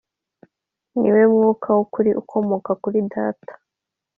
ni We Mwuka w'ukuri ukomoka kuri Data,